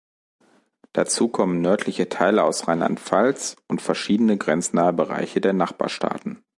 Dazu kommen nördliche Teile aus Rheinland-Pfalz und verschiedene grenznahe Bereiche der Nachbarstaaten.